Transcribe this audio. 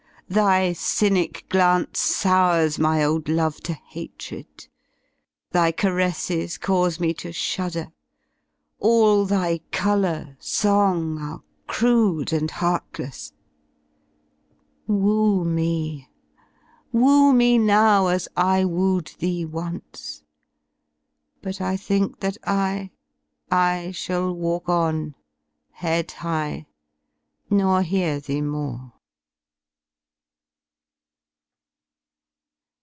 Thy cynic glance Sours my old love to hatred; thy caresses Cause me to shudder; all thy colour, song, Are crude and heartless. Woo me! Woo me now As I wooed thee once; hut I think that I, I shall walk on, head high, nor hear thee more.